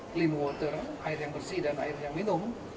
clean water air yang bersih dan airnya minum